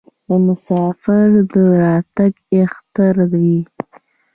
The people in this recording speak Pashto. د مسافر راتګ اختر وي.